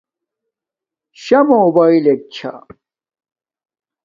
شا موباݵلک چھا بے